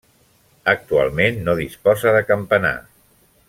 Actualment no disposa de campanar.